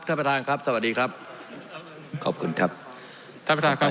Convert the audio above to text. ท่านประธานครับสวัสดีครับขอบคุณครับท่านประธานครับ